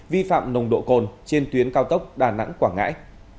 vi phạm nồng độ cồn trên tuyến cao tốc đà nẵng quảng ngãi